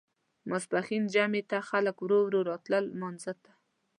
ماسپښین جمعې ته خلک ورو ورو راتلل لمانځه ته.